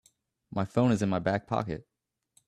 My phone is in my back pocket.